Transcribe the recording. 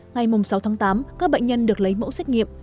ngày sáu tháng tám các bệnh nhân được lấy mẫu xét nghiệm